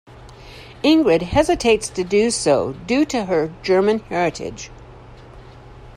Ingrid hesitates to do so due to her German heritage.